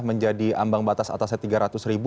menjadi ambang batas atasnya rp tiga ratus ribu